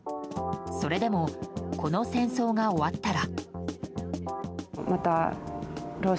それでもこの戦争が終わったら。